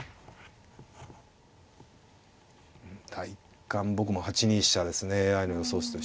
第一感僕も８二飛車ですねＡＩの予想手と一緒で。